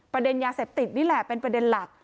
ยาเสพติดนี่แหละเป็นประเด็นหลัก